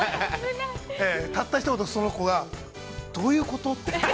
たった一言、その子がどういうこと？って。